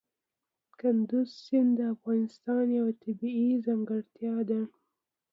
کندز سیند د افغانستان یوه طبیعي ځانګړتیا ده.